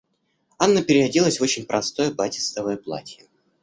Анна переоделась в очень простое батистовое платье.